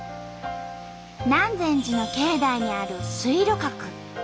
南禅寺の境内にある水路閣。